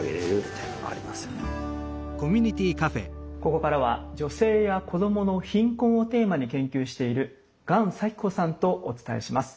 ここからは女性や子どもの貧困をテーマに研究している鳫咲子さんとお伝えします。